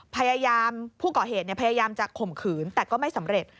พยายามผู้ก่อเหตุพยายามจะข่มขืนแต่ก็ไม่สำเร็จ